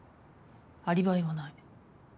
アリバイはない。